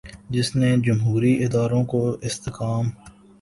جس نے جمہوری اداروں کو استحکام